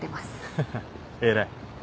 ハハハ偉い。